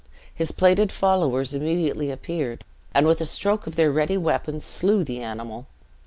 His plaided followers immediately appeared, and with a stroke of their ready weapons slew the animal.